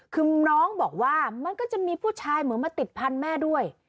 คือน้องบอกว่ามันก็จะมีผู้ชายเหมือนมาติดพันธุ์แม่ด้วย